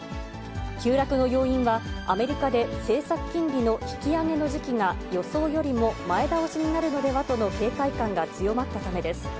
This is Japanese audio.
急落の要因は、アメリカで政策金利の引き上げの時期が予想よりも前倒しになるのではとの警戒感が強まったためです。